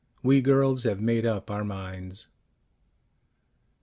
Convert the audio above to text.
We girls have made up our minds."